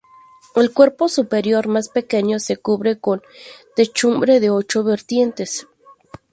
El cuerpo superior, más pequeño, se cubre con techumbre de ocho vertientes.